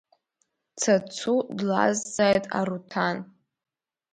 Цацу длазҵааит Аруҭан.